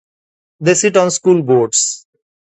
They sit on school boards.